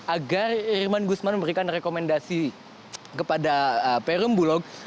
agar irman gusman memberikan rekomendasi kepada perum bulog